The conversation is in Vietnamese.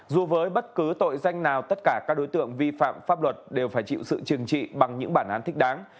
dù với bất cứ tội danh nào tất cả các đối tượng vi phạm pháp luật đều phải chịu sự trừng trị bằng những bản án thích đáng